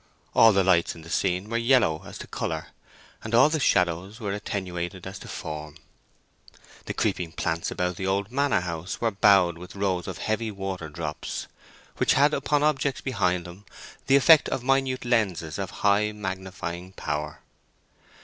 All the lights in the scene were yellow as to colour, and all the shadows were attenuated as to form. The creeping plants about the old manor house were bowed with rows of heavy water drops, which had upon objects behind them the effect of minute lenses of high magnifying power.